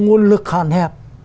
nguồn lực hàn hẹp